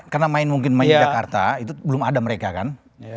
karena main mungkin main di jakarta itu belum ada mereka kan